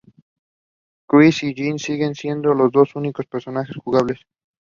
Purity was born in Ibanda She currently lives in Kampala.